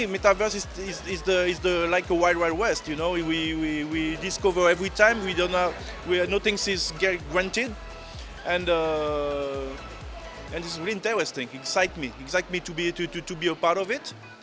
menarik untuk menjadi sebahagian dari ini